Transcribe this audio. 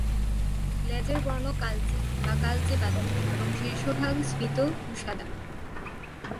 লেজের বর্ণ কালচে বা কালচে বাদামি এবং শীর্ষভাগ স্ফীত ও সাদা।